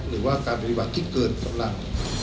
หรือว่าการปฏิบัติที่เกินกำลัง